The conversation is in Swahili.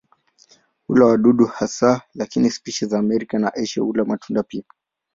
Hula wadudu hasa lakini spishi za Amerika na Asia hula matunda pia.